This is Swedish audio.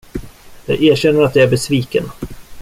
Jag erkänner att jag är besviken.